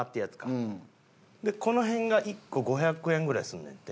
でこの辺が１個５００円ぐらいするねんて。